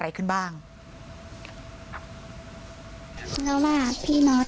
พี่น้องของผู้เสียหายแล้วเสร็จแล้วมีการของผู้เสียหาย